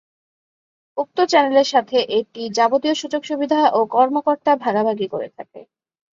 উক্ত চ্যানেলের সাথে এটি যাবতীয় সুযোগ-সুবিধা ও কর্মকর্তা ভাগাভাগি করে থাকে।